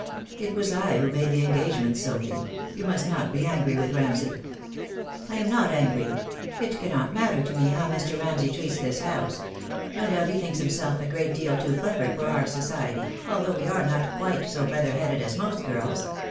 It was I who made the engagements, Sophy. You must not be angry with Ramsay." "I am not angry. It cannot matter to me how Mr. THE DAY WILL COME. I 53 Ramsay treats this house. No doubt he thinks himself a great deal too clever for our society, although we are not quite so feather headed as most girls.